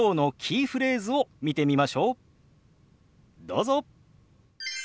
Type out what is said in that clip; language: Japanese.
どうぞ。